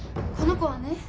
この子はね